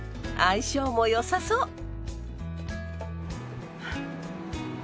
相性も良さそう。